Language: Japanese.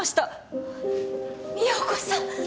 美保子さん